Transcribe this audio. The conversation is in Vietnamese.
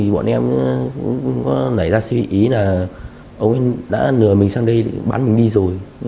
bọn em cũng có lấy ra suy nghĩ là ông ấy đã lừa mình sang đây bán mình đi rồi